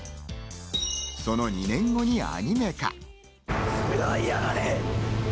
その２年後にアニメ化。